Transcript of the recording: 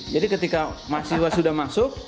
jadi ketika mas siwa sudah masuk